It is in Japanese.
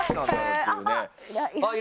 あっ！